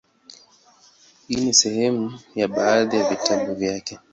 Hii ni sehemu ya baadhi ya vitabu vyake;